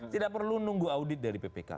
tidak perlu nunggu audit dari ppk